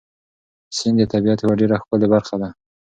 سیند د طبیعت یوه ډېره ښکلې برخه ده.